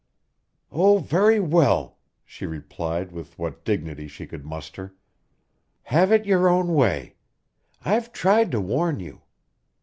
"Oh, very well," she replied with what dignity she could muster. "Have it your own way. I've tried to warn you.